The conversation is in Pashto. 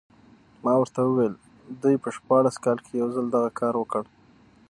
ما ورته وویل دوی په شپاړس کال کې یو ځل دغه کار وکړ.